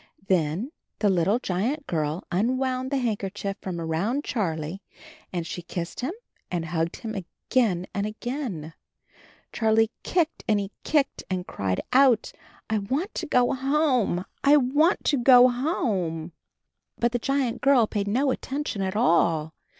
Then the little giant girl unwound the handkerchief from around Charlie and she kissed him and hugged him again and again. Charlie kicked and he kicked, and cried out, 'T want to go home; I want to go 10 CHARLIE homel" but the giant girl paid no attention at all.